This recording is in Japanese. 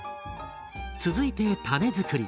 続いてタネ作り。